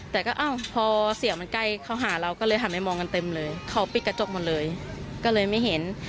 แต่ก็อ้าวพอเสียงมันใกล้เขาหาเราก็เลยหันไปมองกันเต็มเลยเขาปิดกระจกหมดเลยก็เลยไม่เห็น